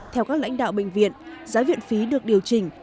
theo các lãnh đạo bệnh viện giá viện phí được điều chỉnh